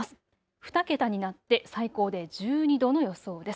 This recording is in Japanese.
２桁になって最高で１２度の予想です。